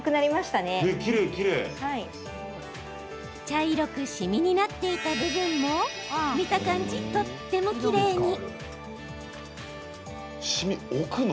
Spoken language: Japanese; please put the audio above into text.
茶色くしみになっていた部分も見た感じ、とってもきれいに。